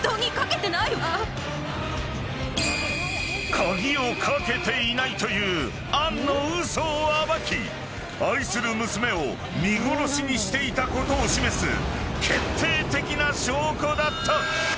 ［鍵を掛けていないという杏の嘘を暴き愛する娘を見殺しにしていたことを示す決定的な証拠だった］